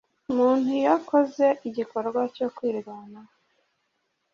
muntu iyo akoze igikorwa cyo kwirwanaho